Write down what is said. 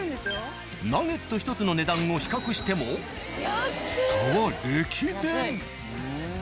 ナゲット１つの値段を比較しても差は歴然。